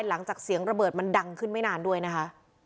หลังจากเสียงระเบิดมันดังขึ้นไม่นานด้วยนะคะ